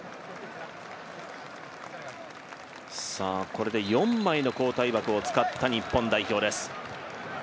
これで４枚の交代枠を使った日本代表です。